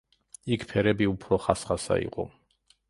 იქ ფერები უფრო ხასხასა იყო.